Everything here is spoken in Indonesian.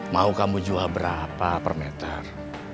mau kamu jual berapa per meter